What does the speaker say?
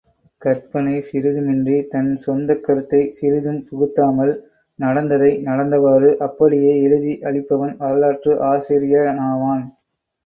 கற்பனை சிறிதுமின்றி தன் சொந்தக் கருத்தைச் சிறிதும் புகுத்தாமல், நடந்ததை நடந்தவாறு அப்படியே எழுதி அளிப்பவன் வரலாற்று ஆசிரியனானவன்.